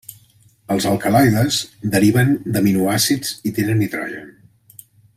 Els alcaloides deriven d'aminoàcids i tenen nitrogen.